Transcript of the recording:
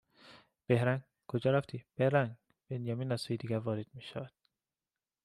بِهرنگ؟ کجا رفتی؟ بِهرنگ؟ بنیامین از سوی دیگر وارد میشود